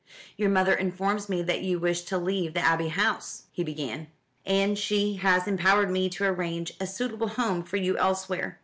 "Your mother informs me that you wish to leave the Abbey House," he began; "and she has empowered me to arrange a suitable home for you elsewhere.